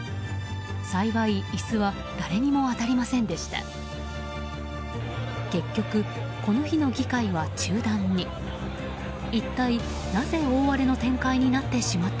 幸い、椅子は誰にも当たりませんでした。